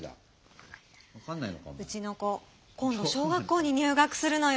うちの子今度小学校に入学するのよ。